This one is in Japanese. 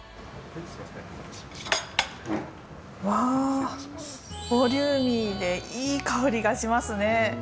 うわー、ボリューミーでいい香りがしますね。